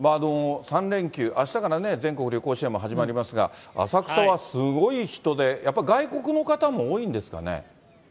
３連休、あしたからね、全国旅行支援も始まりますが、浅草はすごい人で、やっぱり外国の方も多いんですかね？